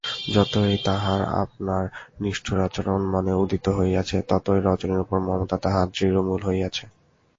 যতই তাহার আপনার নিষ্ঠুরাচরণ মনে উদিত হইয়াছে ততই রজনীর উপর মমতা তাহার দৃঢ়মূল হইয়াছে।